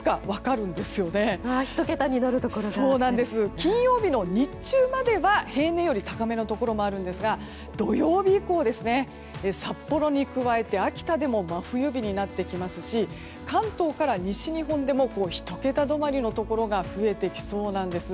金曜日の日中までは、平年より高めのところもあるんですが土曜日以降、札幌に加えて秋田でも真冬日になってきますし関東から西日本でも１桁止まりのところが増えてきそうなんです。